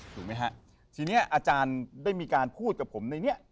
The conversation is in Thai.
ถูกไหมฮะทีนี้อาจารย์ได้มีการพูดกับผมในนี้